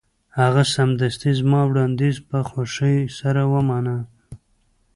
هغه سمدستي زما وړاندیز په خوښۍ سره ومانه